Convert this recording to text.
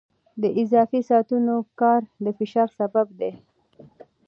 د اضافي ساعتونو کار د فشار سبب دی.